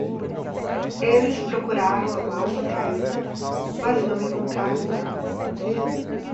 Eles procuraram a massa caída? mas não encontraram nada.